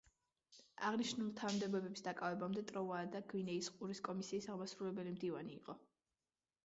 აღნიშნულ თანამდებობების დაკავებამდე, ტროვოადა გვინეის ყურის კომისიის აღმასრულებელი მდივანი იყო.